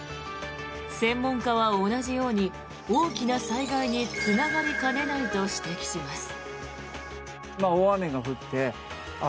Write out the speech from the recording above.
専門家は同じように大きな災害につながりかねないと指摘します。